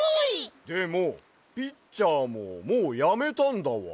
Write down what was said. でもピッチャーももうやめたんだわ。